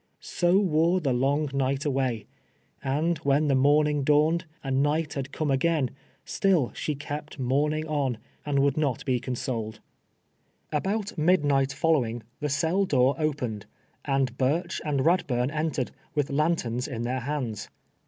So wore the long night away ; and when the morning dawned, and night had come again, still she kept mourning on, and would not be consoled. PREPARATION TO EMBARK. 55 About midniglit following, the cell door oj^ened, and Biircli and jAadbnrn entered, with lanterns in tlieir hand^.